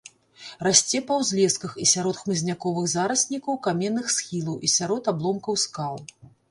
Расце па ўзлесках і сярод хмызняковых зараснікаў каменных схілаў і сярод абломкаў скал.